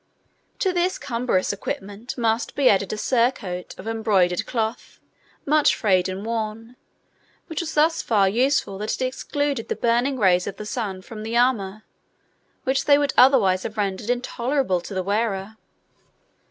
To this cumbrous equipment must be added a surcoat of embroidered cloth, much frayed and worn, which was thus far useful that it excluded the burning rays of the sun from the armour, which they would otherwise have rendered intolerable to the wearer.